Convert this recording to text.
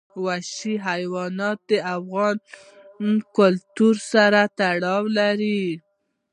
وحشي حیوانات د افغان کلتور سره تړاو لري.